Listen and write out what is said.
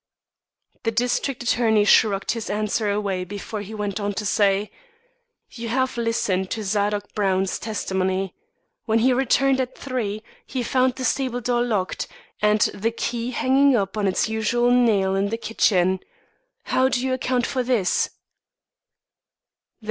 The district attorney shrugged this answer away before he went on to say: "You have listened to Zadok Brown's testimony. When he returned at three, he found the stable door locked, and the key hanging up on its usual nail in the kitchen. How do you account for this?"